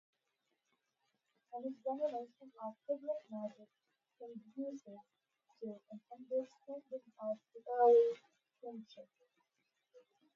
An examination of public magic conduces to an understanding of the early kingship.